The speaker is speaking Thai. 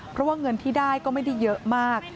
เพราะว่าเงินที่ได้ก็ไม่ได้เยอะมาก